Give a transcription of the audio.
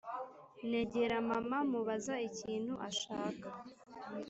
negera mama mubaza ikintu ashaka